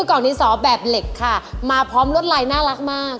กล่องดินสอแบบเหล็กค่ะมาพร้อมรวดลายน่ารักมาก